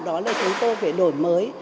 đó là chúng tôi phải đổi mục